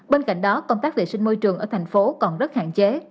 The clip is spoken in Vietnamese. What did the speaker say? bên cạnh đó công tác vệ sinh môi trường ở thành phố còn rất hạn chế